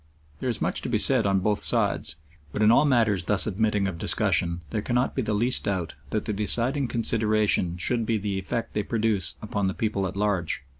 There is much to be said on both sides, but in all matters thus admitting of discussion there cannot be the least doubt that the deciding consideration should be the effect they produce upon the people at large.